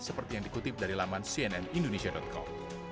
seperti yang dikutip dari laman cnnindonesia com